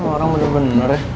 orang bener bener ya